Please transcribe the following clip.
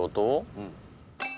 うん。